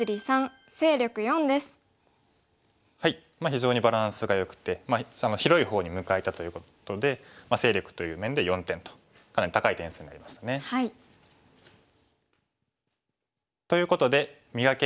非常にバランスがよくて広い方に向かえたということで勢力という面で４点とかなり高い点数になりましたね。ということで「磨け！